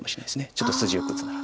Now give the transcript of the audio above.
ちょっと筋よく打つなら。